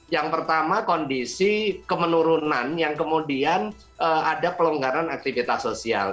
yang pertama kondisi kemenurunan yang kemudian ada pelonggaran aktivitas sosial